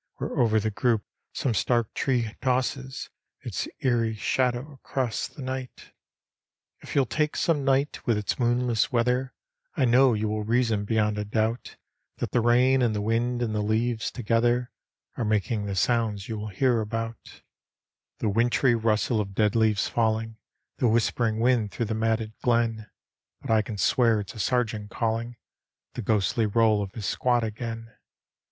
Where over the group some stark tree tosses Its eerie shadow across the night. If you'll take some night with its moonless weather, I know you will reason beyond a doubt That the rain and the wind and the leaves tc^thcr Are making the sounds you will hear about : D,gt,, erihyGOOgle November Eleventh 5; The wintry rustic of dead leaves falling, The whispering wind throu^ the matted glen ; But I can swear it's a sergeant calling The ghostly roll of his squad again.